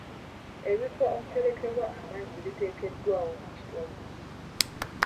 Ebifo omuterekebwa amazzi biteekeddwawo mu kitundu.